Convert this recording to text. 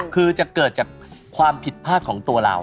คือจะเกิดจากความผิดพลาดของตัวเรา